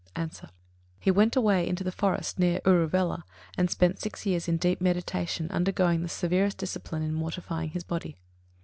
_ A. He went away into the forest near Uruvela, and spent six years in deep meditation, undergoing the severest discipline in mortifying his body.